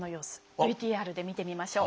ＶＴＲで見てみましょう。